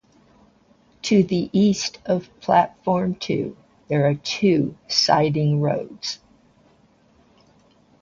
To the east of platform two, there are two siding roads.